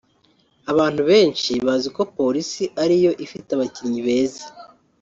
Abantu benshi bazi ko Police ari yo ifite abakinnyi beza